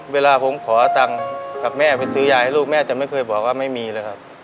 เวลาผมขอตังค์กับแม่ไปซื้อยาให้ลูกแม่จะไม่เคยบอกว่าไม่มีเลยครับ